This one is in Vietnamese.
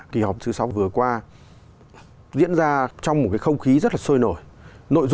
kỳ họp thứ sáu vừa qua diễn ra trong một khâu khí rất là sôi nổi